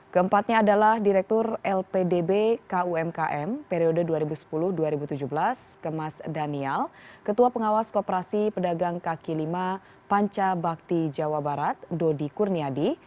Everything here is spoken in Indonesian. keempatnya adalah direktur lpdb kumkm periode dua ribu sepuluh dua ribu tujuh belas kemas daniel ketua pengawas kooperasi pedagang kaki lima panca bakti jawa barat dodi kurniadi